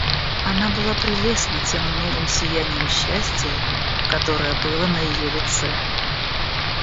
Она была прелестна тем новым сиянием счастия, которое было на ее лице.